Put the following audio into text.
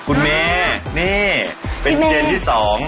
คุณแม่นี่เป็นเจนที่๒